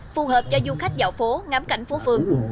phù hợp cho du khách dạo phố ngắm cảnh phố phường